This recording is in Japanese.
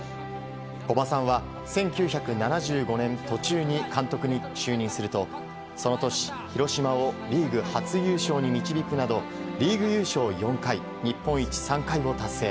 古葉さんは１９７５年途中に監督に就任するとその年、広島をリーグ初優勝に導くなどリーグ優勝４回日本一３回を達成。